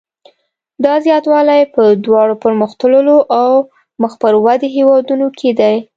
دا زیاتوالی په دواړو پرمختللو او مخ پر ودې هېوادونو کې دی.